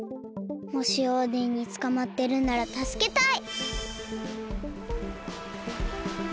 もしオーデンにつかまってるならたすけたい。